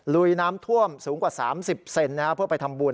ลุยน้ำท่วมสูงกว่า๓๐เซนเพื่อไปทำบุญ